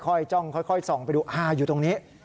จ้องค่อยส่องไปดูอยู่ตรงนี้